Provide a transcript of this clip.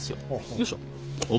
よいしょ。